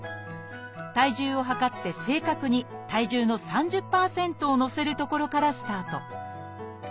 体重を量って正確に体重の３０％をのせるところからスタート